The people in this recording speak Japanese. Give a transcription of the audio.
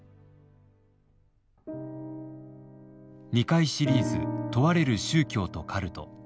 ２回シリーズ「問われる宗教と“カルト”」。